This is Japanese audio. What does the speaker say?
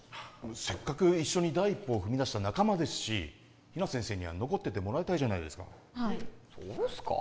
せっかく一緒に第一歩を踏み出した仲間ですし比奈先生には残っててもらいたいじゃないですかはいそうですか？